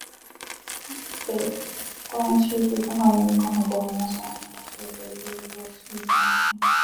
北关区是中华人民共和国河南省安阳市北部一个市辖区。